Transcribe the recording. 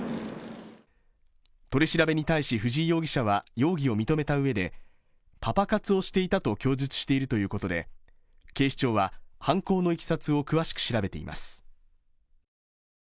取り調べに対し藤井容疑者は容疑を認めたうえでパパ活をしていたと供述しているということで、警視庁は犯行のいきさつを詳しく調べています。